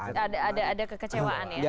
ada kekecewaan ya